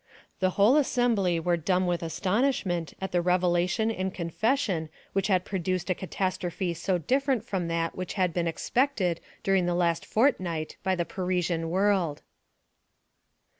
The whole assembly were dumb with astonishment at the revelation and confession which had produced a catastrophe so different from that which had been expected during the last fortnight by the Parisian world.